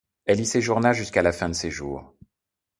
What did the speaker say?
Elle y séjournera jusqu’à la fin de ses jours.